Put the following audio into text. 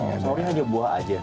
sahurnya ada buah aja